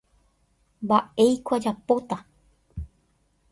mba'éiko ajapóta.